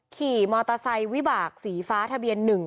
ขี่มอเตอร์ไซค์วิบากสีฟ้าทะเบียน๑